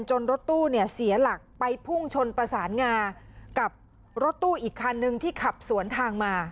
รถตู้เนี่ยเสียหลักไปพุ่งชนประสานงากับรถตู้อีกคันนึงที่ขับสวนทางมา